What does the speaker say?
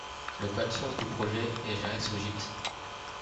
Le code source du projet est géré sous Git.